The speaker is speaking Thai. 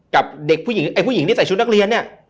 กับเด็กผู้หญิงไอ้ผู้หญิงที่ใส่ชุดนักเรียนเนี่ย